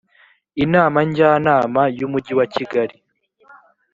inama njyanama y’umujyi wa kigali